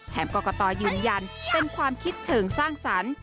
กรกตยืนยันเป็นความคิดเชิงสร้างสรรค์